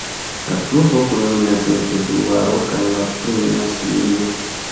La pluvo kulminas en februaro kaj malkulminas julie.